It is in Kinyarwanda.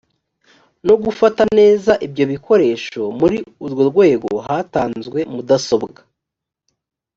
no gufata neza ibyo bikoresho muri urwo rwego hatanzwe mudasobwa